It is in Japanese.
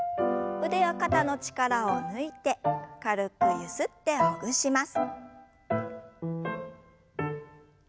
腕や肩の力を抜いて軽くゆすってほぐします。